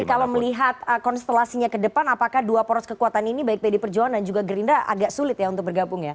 tapi kalau melihat konstelasinya ke depan apakah dua poros kekuatan ini baik pd perjuangan dan juga gerindra agak sulit ya untuk bergabung ya